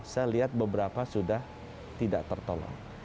saya lihat beberapa sudah tidak tertolong